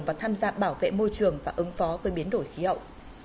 và tham gia bảo vệ môi trường và ứng phó với biến đổi khí hậu